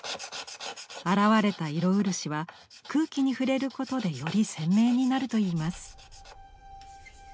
現れた色漆は空気に触れることでより鮮明になるといいます。